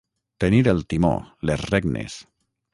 Tenir el timó, les regnes.